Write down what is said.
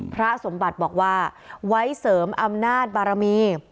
พระสมบัติบอกว่าไว้เสริมอำนาจบารมี